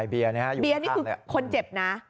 เบียร์นี่คือคนเจ็บนะ